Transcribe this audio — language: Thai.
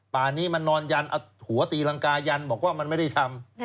ป่านี้มันนอนยันเอาหัวตีรังกายันบอกว่ามันไม่ได้ทำ